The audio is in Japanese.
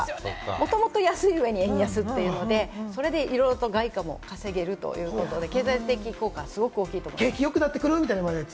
もともと安い上に円安ということで、それでいろいろ外貨も稼げるということで、経済的効果はすごく大きいと思います。